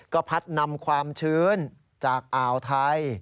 ก็พัดนำความชื้นจากอ่าวไทย